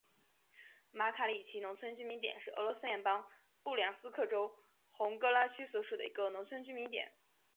马卡里奇农村居民点是俄罗斯联邦布良斯克州红戈拉区所属的一个农村居民点。